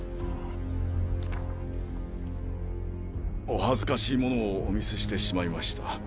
お恥ずかしいものをお見せしてしまいました。